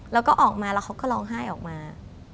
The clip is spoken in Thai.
แล้วก็ออกมาแล้วเขาก็ร้องไห้ออกมา